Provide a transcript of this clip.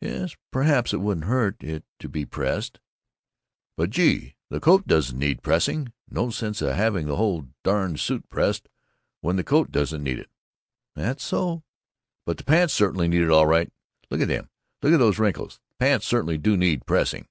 "Yes, perhaps it wouldn't hurt it to be pressed." "But gee, the coat doesn't need pressing. No sense in having the whole darn suit pressed, when the coat doesn't need it." "That's so." "But the pants certainly need it, all right. Look at them look at those wrinkles the pants certainly do need pressing."